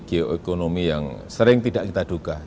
geoekonomi yang sering tidak kita duga